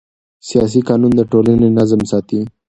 سیاسي قانون د ټولنې نظم ساتي